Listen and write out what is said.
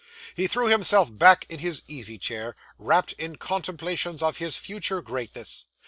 He threw himself back in his easy chair, wrapped in contemplations of his future greatness.